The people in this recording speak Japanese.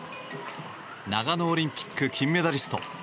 長野オリンピック金メダリスト